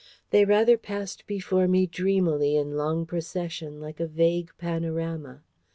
They rather passed before me dreamily in long procession, like a vague panorama.